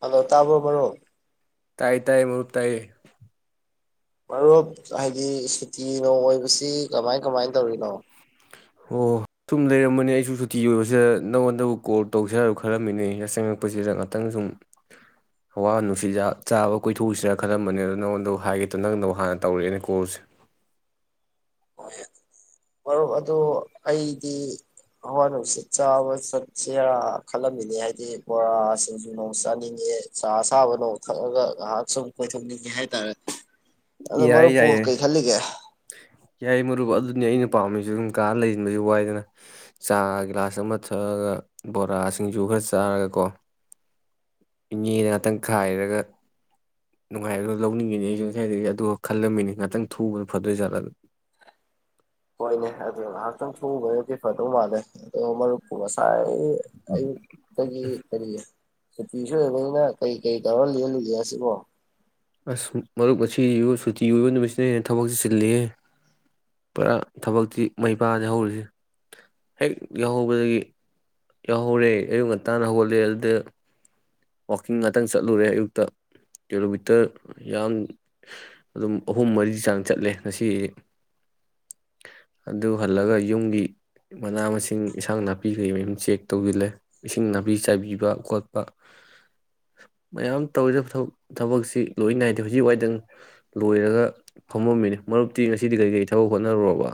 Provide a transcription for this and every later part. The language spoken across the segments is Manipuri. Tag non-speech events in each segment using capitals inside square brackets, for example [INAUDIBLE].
ꯍꯜꯂꯣ ꯇꯥꯕ꯭ꯔꯣ ꯃꯔꯨꯞ ꯇꯥꯏ ꯇꯥꯏ ꯃꯨꯔꯨꯛ ꯇꯥꯏꯌꯦ ꯃꯔꯨꯞ ꯍꯥꯏꯗꯤ ꯁꯨꯇꯤꯅꯣ ꯑꯣꯏꯕꯁꯤ ꯀꯃꯥꯏ ꯀꯃꯥꯏ ꯇꯧꯔꯤꯅꯣ ꯑꯣ ꯁꯨꯝ ꯂꯩꯔꯝꯕꯅꯤ ꯑꯩꯁꯨ ꯁꯨꯇꯤ ꯑꯣꯏꯕꯁꯤꯗ ꯅꯪꯉꯣꯟꯗꯕꯨ ꯀꯣꯜ ꯇꯧꯁꯤ ꯈꯜꯂꯝꯃꯤꯅꯦ ꯌꯥꯆꯪꯉꯛꯄꯁꯤꯗ ꯉꯥꯛꯇꯪ ꯁꯨꯝ ꯍꯋꯥ ꯅꯨꯡꯁꯤꯖ ꯆꯥꯕ ꯀꯣꯏꯊꯣꯛꯎꯁꯤꯔ ꯈꯜꯂꯝꯕꯅꯤ ꯑꯗꯨꯗꯣ ꯅꯪꯉꯣꯟꯗꯕꯨ ꯍꯥꯏꯒꯦꯠꯇ ꯅꯪꯗꯕꯨ ꯍꯥꯟꯅ ꯇꯧꯔꯛꯑꯦꯅꯦ ꯀꯣꯜꯁꯦ ꯃꯔꯨꯞ ꯑꯗꯨ ꯑꯩꯗꯤ ꯍꯋꯥ ꯅꯨꯡꯁꯤꯠ ꯆꯥꯕ ꯆꯠꯁꯦꯔꯥ ꯈꯜꯂꯝꯃꯤꯅꯦ ꯍꯥꯏꯕꯗꯤ ꯕꯣꯔꯥꯁꯤꯡꯁꯨ ꯅꯣꯡ ꯆꯥꯅꯤꯡꯉꯦ ꯆꯥ ꯁꯥꯥꯕ ꯅꯣꯡ ꯊꯛꯑꯒ ꯉꯥꯏꯍꯥꯛ ꯁꯨꯝ ꯀꯣꯏꯊꯣꯛꯅꯤꯡꯉꯦ ꯍꯥꯏꯇꯥꯔꯦ ꯑꯗꯨ ꯌꯥꯏꯌꯦ ꯃꯔꯨꯞꯄꯨ ꯌꯥꯏꯌꯦ ꯀꯩ ꯈꯜꯂꯤꯒꯦ ꯌꯥꯏ ꯃꯔꯨꯞ ꯑꯗꯨꯅꯤ ꯑꯩꯅ ꯄꯥꯝꯃꯤꯁꯨ ꯑꯗꯨꯝ ꯀꯥ ꯂꯩꯁꯤꯟꯕꯁꯨ ꯋꯥꯏꯗꯅ ꯆꯥ ꯒꯤꯂꯥꯁ ꯑꯃ ꯊꯛꯑꯒ ꯕꯣꯔꯥꯁꯤꯡꯁꯨ ꯈꯔ ꯆꯥꯔꯒꯀꯣ ꯏꯅꯦꯅ ꯉꯥꯛꯇꯪ ꯈꯥꯏꯔꯒ ꯅꯨꯡꯉꯥꯏꯔꯒ ꯂꯧꯅꯤꯡꯉꯤꯅꯤ ꯑꯩꯁꯨ ꯉꯥꯏꯗꯒꯤ ꯑꯗꯨꯒ ꯈꯜꯂꯝꯃꯤꯅꯤ ꯉꯥꯛꯇꯪ ꯊꯨꯕ ꯐꯗꯣꯏ ꯆꯅꯤ ꯍꯣꯏꯅꯦ ꯑꯗꯨ ꯉꯥꯏꯍꯥꯛꯇꯪ ꯊꯨꯕꯅꯗꯤ ꯐꯗꯧ ꯃꯥꯜꯂꯦ ꯑꯗꯣ ꯃꯔꯨꯞꯄꯨ ꯉꯁꯥꯏ ꯀ ꯀꯔꯤ ꯀꯔꯤꯦ ꯁꯨꯇꯤꯁꯨ ꯑꯣꯏꯕꯅꯤꯅ ꯀꯩ ꯀꯩ ꯇꯧꯔꯣ ꯂꯜꯂꯤꯒꯦ ꯁꯤꯕꯣ ꯑꯁ ꯃꯔꯨꯞ ꯑꯁꯤ ꯁꯨꯇꯤ ꯑꯣꯏꯕ ꯅꯨꯃꯤꯠꯁꯤꯅ ꯍꯦꯟꯅ ꯊꯕꯛꯇꯁꯤꯤ ꯆꯤꯜꯂꯤꯦ ꯄꯨꯔꯥ ꯊꯕꯛꯇꯤ ꯃꯩ ꯄꯥꯗꯦ ꯍꯧꯔꯤꯁ ꯍꯦꯛ ꯌꯥꯎꯍꯧꯕꯗꯒꯤ ꯌꯥꯎꯍꯧꯔꯦ ꯑꯌꯨꯛ ꯉꯟꯇꯥꯅ ꯍꯧꯒꯠꯂꯦ ꯑꯗꯨꯗ ꯋꯥꯋꯥꯛꯀꯤꯡ ꯉꯥꯛꯇꯪ ꯆꯠꯂꯨꯔꯦ ꯑꯌꯨꯛꯇ ꯀꯤꯂꯣꯃꯤꯇꯔ ꯌꯥ ꯑꯗꯨꯝ ꯑꯍꯨꯝ ꯃꯔꯤ ꯆꯥꯡ ꯆꯠꯂꯦ ꯉꯁꯤ ꯑꯗꯨ ꯍꯜꯂꯒ ꯌꯨꯝꯒꯤ ꯃꯅꯥ ꯃꯁꯤꯡ ꯏꯟꯁꯥꯡ ꯅꯥꯄꯤ ꯀꯩ ꯃꯌꯨꯝ ꯆꯦꯛ ꯇꯧꯁꯤꯜꯂꯦ ꯏꯁꯤꯡ ꯅꯥꯄꯤ ꯆꯥꯏꯕꯤꯕ ꯈꯣꯠꯄ ꯃꯌꯥꯝ ꯇꯧꯗꯕꯕ ꯊꯕꯛꯁꯤ ꯂꯣꯏ ꯅꯥꯏꯗꯦ ꯍꯧꯖꯤꯛ ꯋꯥꯏꯗꯪ ꯂꯣꯏꯔꯒ ꯐꯝꯃꯝꯃꯤꯅꯤ ꯃꯔꯨꯞꯇꯤ ꯉꯁꯤꯗꯤ ꯀꯔꯤ ꯀꯔꯤ ꯊꯕꯛ ꯍꯣꯠꯅꯔꯨꯔꯕ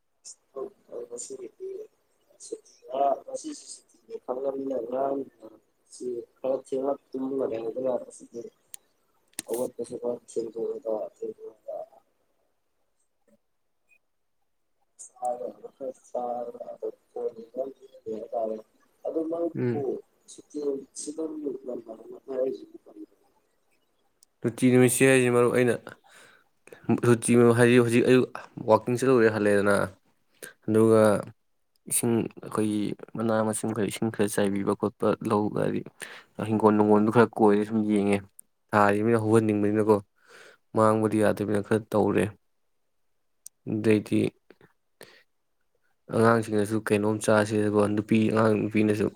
ꯈꯔ ꯈꯔ ꯌꯥ ꯑ ꯀꯁ ꯁꯔ ꯁ ꯇꯔꯦ ꯑꯗꯨ ꯃꯥꯪꯕꯨ ꯎꯝ ꯁꯤꯛꯇ ꯁꯤ ꯔꯨꯇꯤ ꯅꯨꯃꯤꯠꯁꯤꯦ ꯍꯥꯏꯁꯤ ꯃꯔꯨ ꯑꯩꯅ ꯔꯨꯇꯤ ꯍꯥꯏꯗꯤ ꯍꯧꯖꯤꯛ ꯑꯌꯨꯛ ꯋꯥꯛꯀꯤꯡ ꯆꯠꯂꯔꯦ ꯍꯜꯂꯦꯗꯅ ꯑꯗꯨꯒ ꯏꯁꯤꯡ ꯑꯩꯈꯣꯏꯒꯤ ꯃꯅꯥ ꯃꯁꯤꯡ ꯈꯔ ꯏꯁꯤꯡ ꯈꯔ ꯆꯥꯏꯕꯤꯕ ꯈꯣꯠꯄ ꯂꯧꯒ ꯍꯥꯏꯗꯤ ꯍꯤꯡꯒꯣꯜ ꯅꯨꯡꯒꯣꯜꯗꯨ ꯈꯔ ꯀꯣꯏꯔ ꯁꯨꯝ ꯌꯦꯡꯉꯦ ꯊꯥꯁꯤ ꯃꯤꯅ ꯍꯧꯍꯟꯅꯤꯡꯕꯅꯤꯅꯀꯣ ꯃꯥꯡꯕꯗꯤ ꯌꯥꯗꯕꯅꯤꯅ ꯈꯔ ꯇꯧꯔꯦ ꯑꯗꯩꯗꯤ ꯑꯉꯥꯡꯁꯤꯡꯅꯁꯨ ꯀꯩꯅꯣꯝ ꯆꯥꯁꯦꯗꯀꯣ ꯅꯨꯄꯤ ꯑꯉꯥꯡ ꯅꯨꯄꯤꯅꯁꯨ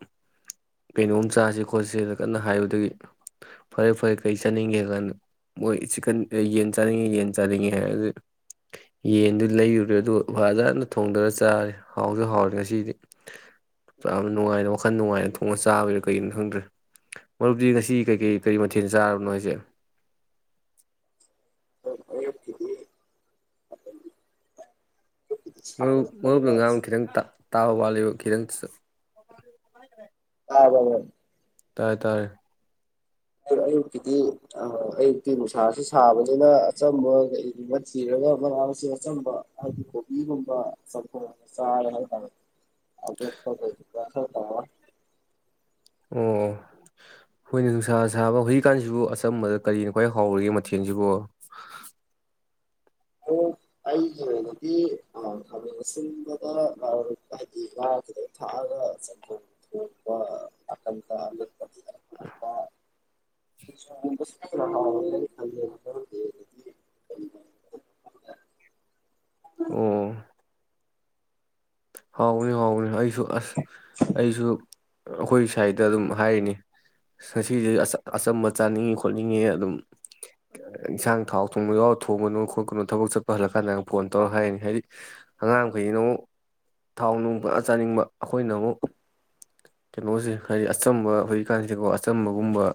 ꯀꯩꯅꯣꯝ ꯆꯥꯁꯦ ꯈꯣꯠꯁꯦꯅ ꯀꯟꯅ ꯍꯥꯏꯕꯗꯒꯤ ꯐꯔꯦ ꯐꯔꯦ ꯀꯩ ꯆꯥꯅꯤꯡꯒꯦ ꯍꯥꯏꯕ ꯀꯥꯟꯗ ꯃꯣꯏ ꯆꯤꯛꯀꯟ ꯌꯦꯟ ꯆꯥꯅꯤꯡꯉꯦ ꯌꯦꯟ ꯆꯥꯅꯤꯡꯉꯦ ꯍꯥꯏꯔꯗꯤ ꯌꯦꯟꯗꯨ ꯂꯩꯔꯨꯔꯦ ꯑꯗꯨ ꯐꯖꯅ ꯊꯣꯡꯗꯔ ꯆꯥꯔꯦ ꯍꯥꯎꯁꯨ ꯍꯥꯎꯔꯦ ꯉꯁꯤꯗꯤ ꯌꯥꯝ ꯅꯨꯡꯉꯥꯏꯅ ꯋꯥꯈꯜ ꯅꯨꯡꯉꯥꯏꯅ ꯊꯣꯡꯉꯒ ꯆꯥꯕꯔꯣ ꯀꯩꯒꯤꯅꯣ ꯈꯪꯗ꯭ꯔꯦ ꯃꯔꯨꯞꯗꯤ ꯉꯁꯤ ꯀꯩꯀꯩ ꯀꯔꯤ ꯃꯊꯦꯜ ꯆ ꯌꯥꯥꯔ ꯅꯣꯏꯁ [UNINTELLIGIBLE] ꯃ ꯃꯔꯨꯞ ꯁꯥꯒꯠꯂꯛꯄꯅꯤꯅ ꯅꯨꯡ ꯉꯥꯡ ꯈꯤꯇꯪꯛꯇ ꯇꯕ ꯋꯥꯂꯤ ꯀꯔꯟꯁ ꯑ ꯇꯥꯏ ꯇꯥꯏꯦ ꯑꯗꯣ ꯑꯌꯨꯛꯀꯤꯗꯤ ꯑꯌꯨꯛꯇꯤ ꯅꯨꯡꯁꯥꯁꯨ ꯁꯥꯕꯗꯨꯅ ꯑꯆꯝꯕ ꯀꯩꯒꯨꯝꯕ ꯊꯤꯔꯒ ꯃꯅꯥ ꯃꯁꯤꯡ ꯑꯆꯝꯕ ꯍꯥꯏꯗꯤ ꯀꯣꯕꯤꯒꯨꯝꯕ ꯆ ꯆꯥꯔꯦ ꯍꯥꯏꯇꯥꯔꯦ ꯑꯁ ꯐꯁꯤ ꯑ ꯑꯣ ꯍꯣꯏꯅꯦ ꯅꯨꯡꯁꯥ ꯁꯥꯕ ꯍꯧꯖꯤꯛꯀꯥꯟꯁꯤꯕꯨ ꯑꯆꯝꯕꯗ ꯀꯔꯤꯅꯣ ꯈ꯭ꯋꯥꯏ ꯍꯥꯎꯔꯤꯒꯦ ꯃꯊꯦꯜꯁꯤꯕꯨ ꯑꯣ ꯑꯩꯒꯤ ꯑꯣꯏꯅꯗꯤ ꯈꯃ ꯑꯁꯤꯟꯕꯗ ꯍꯥꯏꯗꯤ ꯉꯥꯗꯨꯗ ꯊꯥꯛꯑꯒ ꯆꯪꯊꯣꯛ ꯊꯣꯛꯄ ꯅꯥꯀꯟ ꯇ [UNINTELLIGIBLE] ꯑ ꯍꯥꯎꯅꯦ ꯍꯥꯎꯅꯦ ꯍꯥꯏ ꯑꯩꯁꯨ ꯑꯁ ꯑꯩꯁꯨ ꯑꯩꯈꯣꯏꯒꯤ ꯁꯥꯏꯗ ꯑꯗꯨꯝ ꯍꯥꯏꯔꯤꯅꯤ ꯉꯁꯤꯁꯦ ꯑꯆꯝꯕ ꯆꯥꯅꯤꯡꯉꯤ ꯈꯣꯠꯅꯤꯡꯉꯤ ꯑꯗꯨꯝ ꯏꯟꯁꯥꯡ ꯊꯥꯎ ꯊꯣꯡꯕ ꯌꯥꯎꯔ ꯊꯣꯡꯒꯅꯣ ꯈꯣꯠꯀꯅꯨ ꯊꯕꯛ ꯆꯠꯄ ꯍꯜꯂꯛ ꯀꯥꯟꯗ ꯐꯣꯟ ꯇꯧꯔ ꯍꯥꯏꯔꯤꯅꯤ ꯍꯥꯏꯗꯤ ꯑꯉꯥꯡꯈꯩꯁꯤꯅ ꯑꯃꯨꯛ ꯊꯥꯎ ꯅꯨꯡ ꯄꯨꯖꯔ ꯆꯥꯅꯤꯡꯕ ꯑꯩꯈꯣꯏꯅ ꯑꯃꯨꯛ ꯀꯩꯅꯣꯁꯦ ꯍꯥꯏꯗꯤ ꯑꯆꯝꯕ ꯍꯧꯖꯤꯛꯀꯥꯟꯁꯤꯀꯣ ꯑꯆꯝꯕꯒꯨꯝꯕ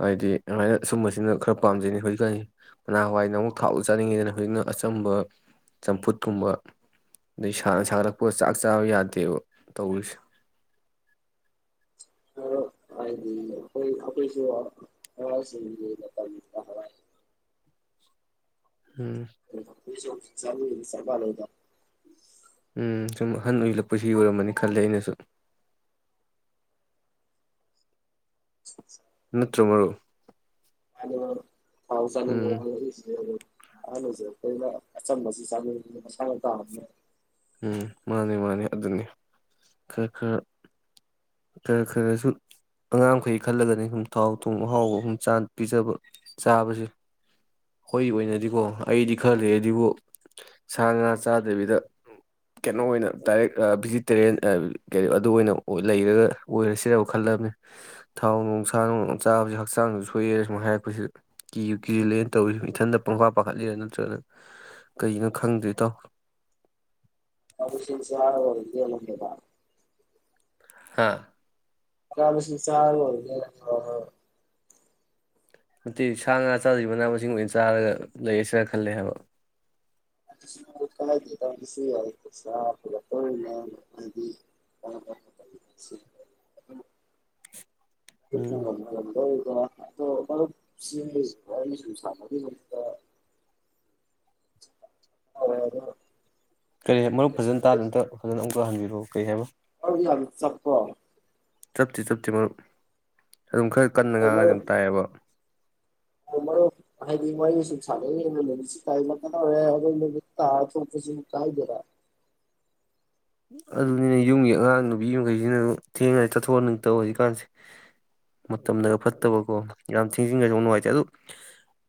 ꯍꯥꯏꯗꯤ ꯑꯗꯨꯃꯥꯏꯅ ꯑꯁꯨꯝꯕꯁꯤꯅ ꯈꯔ ꯄꯥꯝꯖꯩꯅꯤ ꯍꯧꯖꯤꯛꯀꯥꯟꯁꯤ ꯃꯅꯥ ꯍꯋꯥꯏꯅ ꯑꯃꯨꯛ ꯊꯥꯎꯗ ꯆꯥꯅꯤꯡꯉꯤꯗꯅ ꯍꯧꯖꯤꯛꯅ ꯑꯆꯝꯕ ꯆꯝꯐꯨꯠꯀꯨꯝꯕ ꯑꯗꯩꯅ ꯁꯥꯒꯠꯔꯛꯄ ꯄꯣꯠ ꯆꯥꯛ ꯆꯥꯕ ꯌꯥꯗꯦꯕ ꯇꯧꯔꯤꯁꯦ ꯑ ꯍꯥꯏꯗꯤ ꯑꯩꯣꯏ ꯑꯩꯈꯣꯏꯁꯨ ꯎꯝ ꯆ ꯆꯕꯥꯂꯗ ꯎꯝ ꯁꯨꯝ ꯑꯍꯟ ꯑꯣꯏꯜꯂꯛꯄꯁꯤ ꯌꯣꯏꯔꯝꯃꯅꯤ ꯈꯜꯂꯦ ꯑꯩꯅꯁꯨ ꯅꯠꯇ꯭ꯔ ꯃꯔꯨ ꯑꯗ ꯐꯥꯎꯁꯅ ꯎꯝ ꯍꯂꯖ ꯀꯅ ꯑꯆ ꯃ ꯆ ꯃ ꯎꯝ ꯃꯥꯅꯤ ꯃꯥꯅꯤ ꯑꯗꯨꯅꯤ ꯈꯔ ꯈꯔ ꯈꯔ ꯈꯔꯁꯨ ꯑꯉꯥꯡꯈꯩ ꯈꯜꯂꯒꯅꯤ ꯁꯨꯝ ꯊꯥꯎ ꯊꯣꯡ ꯑꯍꯥꯎꯕ ꯁꯨꯝ ꯄꯤꯖꯕ ꯆꯥꯕꯁꯦ ꯑꯩꯣꯏꯒꯤ ꯑꯣꯏꯅꯗꯤꯀꯣ ꯑꯩꯗꯤ ꯈꯔ ꯂꯩ ꯑꯩ ꯑꯗꯨꯕꯨ ꯁꯥ ꯉꯥ ꯆꯥꯗꯕꯤꯗ ꯀꯩꯅꯣ ꯑꯣꯏꯅ ꯗꯥꯏꯔꯦꯛ ꯚꯤꯖꯤꯇꯦꯔꯤꯌꯥꯟ ꯑꯗꯨ ꯑꯣꯏꯅ ꯂꯩꯔꯒ ꯑꯣꯏꯔꯁꯤ ꯈꯜꯂꯕꯅꯤ ꯊꯥꯎ ꯅꯨꯡꯁꯥ ꯅꯨꯡ ꯆꯥꯕꯕꯁꯤ ꯍꯛꯆꯥꯡꯁꯨ ꯁꯣꯏꯑꯦꯔ ꯁꯨꯝꯥꯏ ꯍꯥꯏꯔꯛꯄꯁꯤꯗ ꯀꯤꯁꯨꯨ ꯀꯤꯂꯦꯅ ꯇꯧꯔꯤ ꯏꯊꯟꯗ ꯄꯪꯐꯥ ꯄꯥꯈꯠꯂꯤꯔꯥ ꯅꯠꯇ꯭ꯔꯒ ꯀꯅꯣ ꯈꯪꯗꯦ ꯇꯥꯎ ꯌꯦꯂꯒꯦꯗ ꯍꯥꯥ ꯆꯁꯤ ꯆꯥꯡꯦ ꯅꯠꯇꯦ ꯁꯥ ꯉꯥ ꯆꯥꯗꯔꯤꯕ ꯃꯅꯥ ꯃꯁꯤꯡ ꯑꯣꯏꯅ ꯆꯥꯔꯒ ꯂꯩꯌꯦꯁꯅ ꯈꯜꯂꯦ ꯍꯥꯏꯕ ꯁ ꯀ ꯁꯤ ꯍꯥꯏ ꯁꯥꯂ ꯇꯣꯉ ꯃꯗꯤ ꯀ ꯎꯝ ꯂ ꯣꯁ ꯑ ꯀꯔꯤ ꯃꯔꯨꯞ ꯐꯖꯅ ꯇꯥꯗ ꯅꯠꯇ ꯐꯖꯅ ꯄ ꯍꯟꯕꯤꯔꯛ ꯀꯩ ꯍꯥꯏꯣ ꯑ ꯌꯥ ꯆꯄ ꯇꯞꯇꯤ ꯇꯞꯇꯤ ꯃꯔꯨꯞ ꯑꯗꯨꯝ ꯈꯔ ꯀꯟꯅ ꯉꯥꯡꯉ ꯑꯗꯨꯝ ꯇꯥꯏꯌꯦꯕ ꯃ ꯍꯥ ꯀꯥꯏꯗ ꯑꯗꯨꯅꯤꯅ ꯌꯨꯝꯒꯤ ꯑꯉꯥꯡ ꯅꯨꯄꯤ ꯃꯈꯩꯁꯤꯅ ꯊꯦꯡꯉꯒ ꯆꯠꯊꯣꯛꯍꯟꯅꯤꯡꯗꯕ ꯍꯧꯖꯤꯛꯀꯥꯟꯁꯦ ꯃꯇꯝꯗꯒ ꯐꯠꯇꯕꯀꯣ ꯌꯥꯝ ꯊꯦꯡꯖꯤꯟꯉꯁꯨ ꯌꯥꯝ ꯅꯨꯡꯉꯥꯏꯇꯦ ꯑꯗꯨ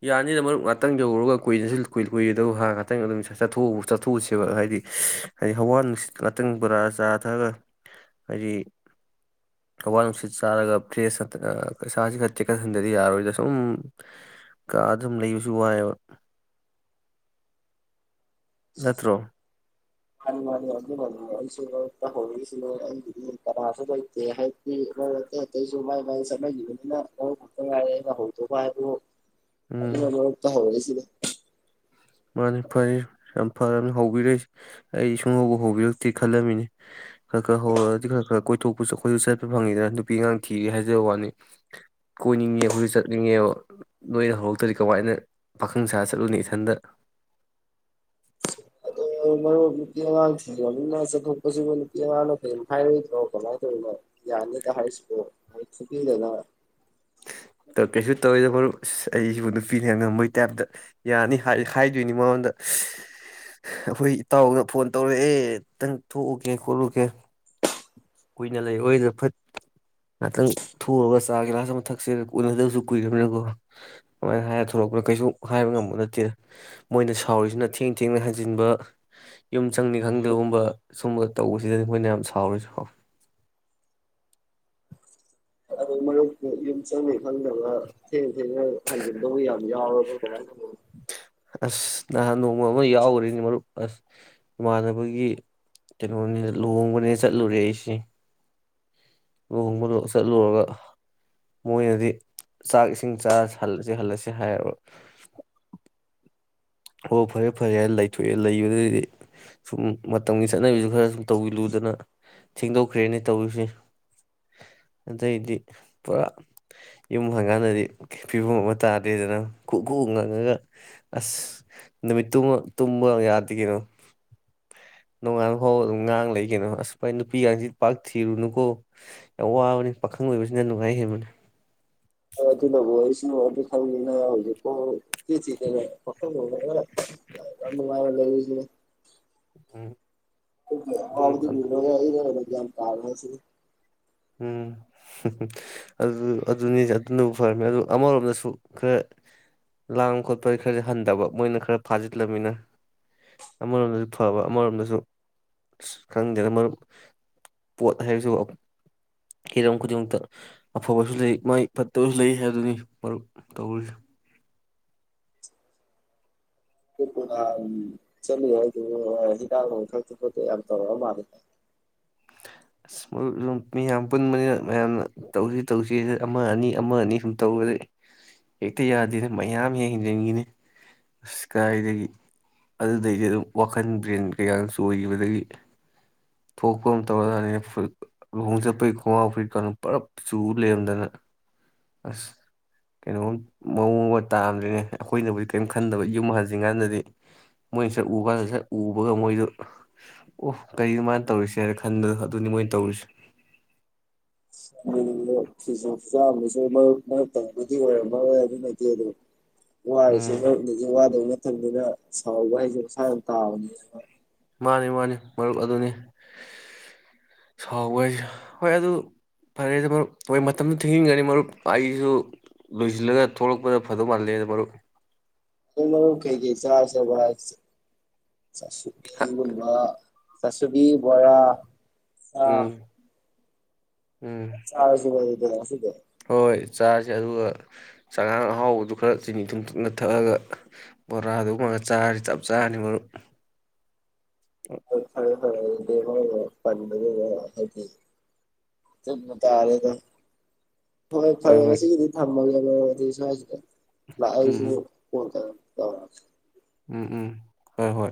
ꯌꯥꯅꯤꯅ ꯃꯔꯨꯞ ꯉꯥꯛꯇꯪ ꯌꯧꯔꯨꯔꯒ ꯀꯨꯏꯅꯁꯨ ꯀꯨꯏ ꯀꯨꯏꯔꯗꯕ ꯍꯥꯔ ꯉꯥꯛꯇꯪ ꯑꯗꯨꯝ ꯆꯊꯣꯛꯎ ꯆꯠꯊꯣꯛꯎꯁꯦꯕ ꯍꯥꯏꯗꯤ ꯍꯥꯏꯗꯤ ꯍꯋꯥ ꯅꯨꯡ ꯉꯥꯛꯇꯪ ꯄꯨꯔꯥ ꯆꯥꯊꯛꯑꯒ ꯍꯥꯏꯗꯤ ꯑꯋꯥ ꯅꯨꯡꯁꯤꯠ ꯆꯥꯔꯒ ꯐ꯭ꯔꯦꯁ ꯄꯩꯁꯥꯁꯤ ꯈꯔ ꯆꯦꯛꯀꯠ ꯍꯟꯊꯗꯤ ꯌꯥꯔꯣꯏꯗ ꯁꯨꯝ ꯀ ꯑꯗꯨꯝ ꯂꯩꯕꯁꯨ ꯋꯥꯏꯑꯕ ꯅꯠꯇ꯭ꯔꯣ ꯍ ꯃꯥꯅꯤ ꯑꯩꯁꯨ ꯍ ꯍꯥꯏꯁꯨ ꯁ ꯌꯅꯤꯅ ꯍꯧꯣ ꯐ ꯍꯥꯏꯕꯨ ꯎꯝ ꯑꯗꯨꯠꯇꯕ ꯁꯤ ꯃꯥꯅꯤ ꯐꯔꯅꯤ ꯌꯥꯝ ꯐꯔꯅꯤ ꯍꯧꯕꯤꯔꯛꯏꯁꯤ ꯑꯩ ꯁꯨꯡꯍꯧꯕ ꯍꯧꯕꯤꯔꯛꯇꯦ ꯈꯜꯂꯝꯃꯤꯅꯤ ꯈꯔ ꯈꯔ ꯍꯧꯔꯑꯗꯤ ꯈꯔ ꯈꯔ ꯀꯣꯏꯊꯣꯛꯄꯁꯨ ꯑꯩꯈꯣꯏꯁꯨ ꯆꯠꯄ ꯐꯪꯉꯤꯗꯅ ꯅꯨꯄꯤ ꯑꯉꯥꯡ ꯊꯤꯒꯦ ꯍꯥꯏꯖꯕ ꯋꯥꯅꯤ ꯀꯣꯏꯅꯤꯡꯉꯦ ꯑꯩꯈꯣꯏꯁꯨ ꯆꯠꯅꯤꯡꯉꯦꯕ ꯅꯣꯏꯅ ꯍꯧꯔꯛꯇ꯭ꯔꯗꯤ ꯀꯃꯥꯏꯅ ꯄꯥꯈꯪ ꯁꯥ ꯆꯠꯂꯨꯅꯤ ꯏꯊꯟꯇ ꯑꯗꯣ ꯃꯔꯨꯞ ꯅꯨꯄꯤ ꯑꯉꯥꯡ ꯊꯤꯅꯤꯅ ꯆꯠꯊꯣꯛꯄꯁꯤꯕꯨ ꯅꯨꯄꯤ ꯑꯉꯥꯡꯅꯣ ꯀꯔꯤꯝ ꯍꯥꯏꯔꯣꯏꯗꯅꯣ ꯀꯃꯥꯏꯅ ꯇꯧꯔꯤꯅꯣ ꯌꯥꯅꯤꯗ ꯍꯥꯏꯔꯤꯁꯤꯕꯨꯣ ꯃ ꯊꯨꯕꯤꯗꯅ ꯀꯩꯁꯨ ꯇꯧꯋꯤꯗ ꯃꯔꯨꯞ ꯑꯁ ꯑꯩꯁꯤꯕꯨ ꯅꯨꯄꯤꯅ ꯉꯝꯕꯒꯤ ꯇꯥꯏꯞꯇ ꯌꯥꯅꯤ ꯍꯥꯏꯗꯣꯏꯅꯤ ꯃꯉꯣꯟꯗ ꯑꯩꯈꯣꯏ ꯏꯇꯥꯎꯅ ꯐꯣꯟ ꯇꯧꯔ ꯑꯦꯛꯇꯪ ꯊꯣꯛꯎꯒꯦ ꯈꯣꯠꯂꯨꯒꯦ ꯀꯨꯏꯅ ꯂꯩꯑꯣꯗ ꯐꯠ ꯉꯥꯛꯇꯪ ꯊꯑꯒ ꯆꯥ ꯒꯤꯂꯥꯁ ꯑꯃ ꯊꯛꯁꯦ ꯀꯨꯅꯒꯗꯕꯁꯨ ꯀꯨꯏꯅꯤꯅꯀꯣ ꯑꯗꯨꯃꯥꯏꯅ ꯍꯥꯏꯔ ꯊꯂꯛꯄꯅꯤꯅ ꯀꯩꯁꯨ ꯍꯥꯏꯕ ꯉꯝꯕ ꯅꯠꯇꯦ ꯃꯣꯏꯅ ꯁꯥꯎꯔꯤꯁꯤꯅ ꯊꯦꯡ ꯊꯦꯡꯅ ꯍꯩꯖꯤꯟꯕ ꯌꯨꯝ ꯆꯪꯅꯤ ꯈꯪꯗꯕꯒꯨꯝꯕ ꯁꯨꯝꯕ ꯇꯧꯕꯁꯤꯗꯗꯤ ꯃꯣꯏꯅ ꯌꯥꯝ ꯁꯥꯎꯔꯤꯁꯨ ꯁꯥꯎꯋ ꯑ ꯌ ꯆ ꯊ ꯊ ꯍ ꯌꯥꯝꯅꯤꯕ ꯑꯁ ꯅꯍꯥꯟ ꯅꯣꯡꯕ ꯑꯃ ꯌꯥꯎꯈꯦꯅꯤ ꯃꯔꯨꯞ ꯑꯁ ꯏꯃꯥꯟꯅꯕꯒꯤ ꯀꯩꯅꯣꯅꯤ ꯂꯨꯍꯣꯡꯕꯅꯦ ꯆꯠꯂꯨꯔꯦ ꯑꯩꯁꯤꯦ ꯂꯨꯍꯣꯡꯕꯗꯣꯛ ꯆꯠꯂꯨꯔꯒ ꯃꯣꯏꯅꯗꯤ ꯆꯥꯛ ꯏꯁꯤꯡ ꯆꯔꯂꯁꯤ ꯍꯜꯂꯁꯤ ꯍꯥꯏꯔꯕ ꯑꯣ ꯐꯔꯦ ꯐꯔꯦ ꯍꯥꯏꯅ ꯂꯩꯊꯣꯛꯑꯦ ꯂꯩꯕꯗꯗꯤ ꯁꯨꯝ ꯃꯇꯝꯒꯤ ꯆꯠꯅꯕꯤꯁꯨ ꯈꯔ ꯁꯨꯝ ꯇꯧꯤ ꯂꯨꯗꯅ ꯊꯦꯡꯗꯣꯛꯈ꯭ꯔꯦꯅꯦ ꯇꯧꯔꯤꯁꯤ ꯑꯗꯩꯗꯤ ꯄꯨꯔꯥ ꯌꯨꯝ ꯍꯪꯀꯥꯟꯗꯗꯤ ꯐꯤꯕꯝ ꯑꯃ ꯇꯥꯗꯦꯗꯅ ꯀ ꯈꯨꯎ ꯉꯪꯉꯒ ꯑꯁ ꯅꯨꯃꯤꯠꯇ ꯇꯨꯝꯕ ꯌꯥꯗꯦ ꯀꯩꯅꯣ ꯅꯣꯡꯉꯥꯟꯜ ꯐꯥꯎꯕ ꯑꯗꯨꯝ ꯉꯥꯡ ꯂꯩ ꯀꯩꯅꯣ ꯑꯁ ꯐꯥꯏ ꯅꯨꯄꯤꯒꯁꯤ ꯄꯥꯛ ꯊꯤꯔꯨꯅꯨꯀꯣ ꯌꯥꯝ ꯋꯥꯕꯅꯤ ꯄꯥꯈꯪ ꯑꯣꯏꯕꯁꯤꯅ ꯅꯨꯡꯉꯥꯏ ꯍꯦꯟꯕꯅꯤ ꯑꯗꯨꯅꯕꯨ ꯑꯩꯁꯨ ꯑꯗꯨ ꯊꯖꯦ ꯐꯔ ꯃꯥ ꯂꯩ ꯎꯝ ꯑꯗꯨꯅ [UNINTELLIGIBLE] ꯌꯥꯝ ꯇꯥꯑꯣꯁꯤ ꯎꯝ ꯑꯗꯨ ꯑꯗꯨꯅꯤ ꯑꯗꯨꯅꯕꯨ ꯐꯔꯝꯃꯦ ꯑꯗꯨ ꯑꯃꯔꯣꯝꯗꯁꯨ ꯈꯔ ꯂꯥꯡꯕ ꯈꯣꯠꯄ ꯈꯔꯗꯤꯦ ꯍꯟꯊꯕ ꯃꯣꯏꯅ ꯈꯔ ꯐꯥꯖꯤꯜꯂꯝꯅꯤꯅ ꯑꯃꯔꯣꯝꯗꯁꯨ ꯐꯕ ꯑꯃꯔꯣꯝꯗꯁꯨ ꯑ ꯈꯪꯗꯦ ꯄꯣꯠ ꯍꯥꯏꯕꯁꯨ ꯍꯤꯔꯝ ꯈꯨꯗꯤꯡꯃꯛꯇ ꯑꯐꯕꯁꯨ ꯂꯩ ꯃꯥꯏ ꯐꯠꯇꯕꯁꯨ ꯂꯩ ꯍꯥꯏꯕꯗꯨꯅꯤꯨꯞ ꯇꯧꯔꯤ ꯄꯨ ꯆꯂꯤ ꯍꯥꯏ ꯍꯤꯗꯥ ꯊ ꯐ ꯌꯥ ꯇꯧꯔ ꯃꯥꯔ ꯑꯁꯨꯝ ꯃꯤꯌꯥꯝ ꯄꯨꯟꯕꯅꯤꯅ ꯃꯌꯥꯝꯅ ꯇꯧꯁꯤ ꯇꯧꯁꯤ ꯑꯃ ꯑꯅꯤ ꯑꯃ ꯑꯅꯤ ꯁꯨꯝ ꯇꯧꯔꯗ ꯍꯦꯛꯇ ꯌꯥꯗꯦꯅ ꯃꯌꯥꯝ ꯌꯦꯡ ꯍꯦꯟꯖꯤꯟꯈꯤꯅꯤ ꯑꯁ ꯀꯥꯏꯗꯒꯤ ꯑꯗꯨꯗꯩꯗꯤ ꯑꯗꯨꯝ ꯋꯥꯈꯜ ꯕ꯭ꯔꯦꯟ ꯀꯩꯀ ꯆ ꯑꯣꯏꯈꯤꯕꯗꯒꯤ ꯊꯣꯛꯄ ꯑꯃ ꯇꯧꯔ ꯂꯨꯍꯣꯡ ꯆꯠꯄꯩ ꯈꯣꯡꯒꯥꯎ ꯐꯩ ꯀ ꯄꯨꯂꯞ ꯆꯨ ꯂꯩꯔꯝꯗꯅ ꯑꯁ ꯀꯩꯅꯣꯝ ꯃꯑꯣꯡ ꯑꯃ ꯇꯥꯝꯗ꯭ꯔꯤꯅꯦ ꯑꯩꯈꯣꯏꯅꯕꯨꯗꯤ ꯀꯔꯤꯝ ꯈꯟꯗꯕ ꯌꯨꯝ ꯍꯟꯖꯤꯟ ꯀꯥꯟꯗꯗꯤ ꯃꯣꯏꯅ ꯁꯛ ꯎ ꯀꯥꯟꯗ ꯁꯛ ꯎꯕꯒ ꯃꯣꯏꯗꯨ ꯑꯣ ꯀꯔꯤꯅꯣ ꯃꯥꯅ ꯇꯧꯔꯤꯁꯦ ꯍꯥꯏꯅ ꯈꯟꯕꯗꯣ ꯑꯗꯨꯅꯤ ꯃꯣꯏꯅ ꯇꯧꯔꯤꯁꯦ ꯁꯨ ꯆꯝꯁꯨ ꯃ ꯊꯤ ꯑꯣꯏ ꯑꯃꯔꯗꯤ ꯅ ꯑ ꯑꯗꯨ ꯋꯥꯔꯤꯁꯦ ꯎꯝ ꯃꯔꯗꯤ ꯋꯥꯗꯧꯅ ꯃꯇꯝꯗꯨꯅ ꯁꯥꯎꯕ ꯍꯥꯏꯁꯦ ꯃꯁꯥ ꯌꯥꯝ ꯇꯥꯕꯅꯤ ꯃꯥꯅꯤ ꯃꯥꯅꯤ ꯃꯔꯨꯞ ꯑꯗꯨꯅꯤ ꯁꯥꯎꯕ ꯍꯥꯏꯁꯦ ꯍꯣꯏ ꯑꯗꯨ ꯐꯔꯦꯗ ꯃꯔꯨꯞ ꯍꯣꯏ ꯃꯇꯝꯗꯨ ꯊꯤꯡꯖꯤꯟꯒꯅꯤ ꯃꯔꯨꯞ ꯑꯩꯁꯨ ꯂꯣꯏꯁꯤꯜꯂꯒ ꯊꯣꯛꯂꯛꯄꯗ ꯐꯗꯧ ꯃꯥꯜꯂꯦꯗ ꯃꯔꯨꯞ ꯀꯩ ꯀ ꯆꯁꯕ ꯆꯠꯁꯤꯒꯕ ꯆꯁꯕꯤ ꯕꯣꯔꯥ ꯑꯥ ꯎꯝ ꯎꯝ ꯁꯨ ꯑ ꯁꯤꯗꯦ ꯍꯣꯏ ꯆꯥꯁ ꯑꯗꯨꯒ ꯆꯉꯥꯡ ꯑꯍꯥꯎꯕꯗꯨ ꯈꯔ ꯆꯤꯅꯤ ꯊꯨꯝ ꯊꯨꯝꯅ ꯊꯛꯑꯒ ꯕꯣꯔꯥꯗꯨꯨꯝꯕꯒ ꯆꯥꯔꯁꯤ ꯆꯞ ꯆꯥꯔꯅꯤ ꯃꯔꯨꯞ ꯄ ꯍꯥꯏ ꯇꯔꯦꯗ ꯍꯣꯏ ꯐꯔꯦꯁꯤꯒꯤꯗꯤ ꯊꯝꯃꯒꯦ ꯑꯣ ꯑꯗꯨꯁꯥꯏꯁꯤ ꯂ ꯑꯩꯁꯨ ꯎꯝ ꯀꯟ ꯀ ꯑ ꯎꯝ ꯎꯝ ꯍꯣꯏ ꯍꯣꯏ